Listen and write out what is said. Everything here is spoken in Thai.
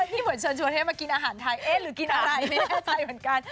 นี่เหมือนเชิญชวนให้มากินอาหารไทยเอ๊ะหรือกินอะไรไม่แน่ใจเหมือนกัน